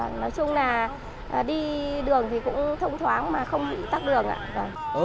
nói chung là đi đường thì cũng thông thoáng mà không bị tắt đường ạ